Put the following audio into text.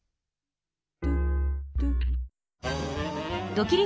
ドキリ★